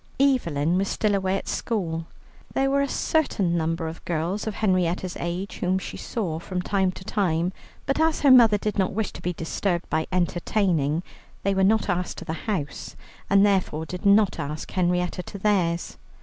Evelyn was still away at school. There were a certain number of girls of Henrietta's age whom she saw from time to time, but as her mother did not wish to be disturbed by entertaining, they were not asked to the house, and therefore did not ask Henrietta to theirs.